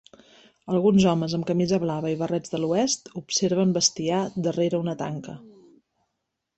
Alguns homes amb camisa blava i barrets de l'oest observen bestiar darrere una tanca.